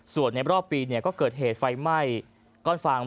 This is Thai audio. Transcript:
ส่วนในรอบปีก็เกิดเหตุไฟไหม้ก้อนฟาง